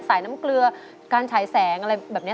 น้ำเกลือการฉายแสงอะไรแบบนี้